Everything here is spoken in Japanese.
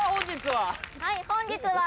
はい本日は。